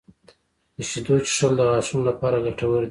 • د شیدو څښل د غاښونو لپاره ګټور دي.